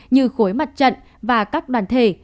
như khối mặt trận và các đoàn thể